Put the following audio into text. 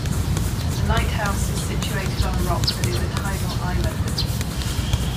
The lighthouse is situated on a rock that is a tidal island.